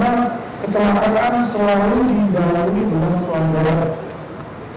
jadi kecelakaan selalu dijalankan dengan pelanggaran apapun yang terlalu lama